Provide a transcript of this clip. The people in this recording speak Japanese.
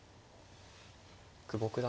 久保九段